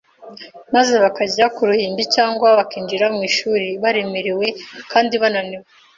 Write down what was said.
maze bakajya ku ruhimbi cyangwa bakinjira mu ishuri baremerewe kandi bananiwe,